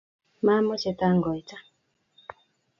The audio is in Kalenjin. Mamoche tangoita.